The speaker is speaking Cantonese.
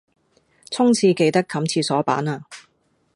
沖廁記得冚廁板呀